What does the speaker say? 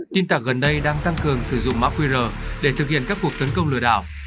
tin tạc gần đây đang tăng cường sử dụng mã qr để thực hiện các cuộc tấn công lừa đảo